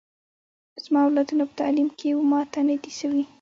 زما اولادونه په تعلیم کي و ماته نه دي سوي